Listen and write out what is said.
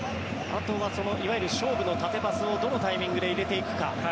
あとはいわゆる勝負の縦パスをどのタイミングで入れていくか。